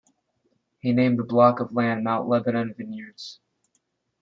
He named the block of land Mount Lebanon Vineyards.